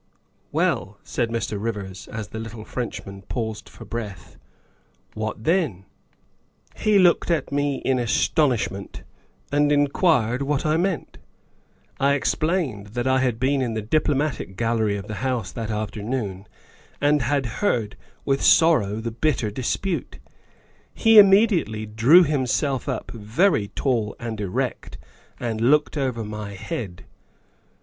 " Well," said Mr. Rivers, as the little Frenchman paused for breath, " well, what then?" " He looked at me in astonishment and inquired what I meant ; I explained I had been in the Diplomatic Gal lery of the House that afternoon and had heard with sorrow the bitter dispute. He immediately drew himself up very tall and erect and looked over my head.